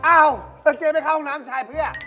อ้าวแล้วเจ๊ไม่เข้าห้องน้ำชายเพื่อ